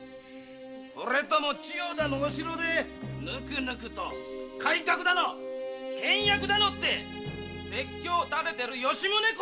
それとも千代田のお城でぬくぬくと改革だの倹約だのって説教たれてる吉宗公